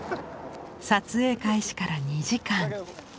撮影開始から２時間。